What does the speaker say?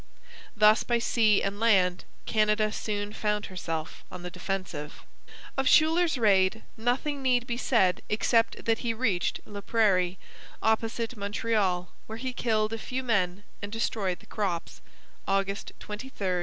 Thus by sea and land Canada soon found herself on the defensive. Of Schuyler's raid nothing need be said except that he reached Laprairie, opposite Montreal, where he killed a few men and destroyed the crops (August 23, 1690).